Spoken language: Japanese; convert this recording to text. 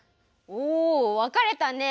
おわかれたね。